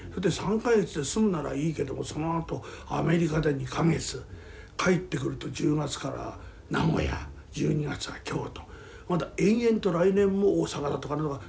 ３か月で済むならいいけどもそのあとアメリカで２か月帰ってくると１０月から名古屋１２月が京都延々と来年も大阪だとか続くわけですわ。